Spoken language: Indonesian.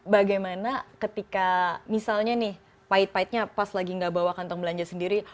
bagaimana ketika misalnya nih pahit pahitnya pas lagi gak bawa kantong belanja sendiri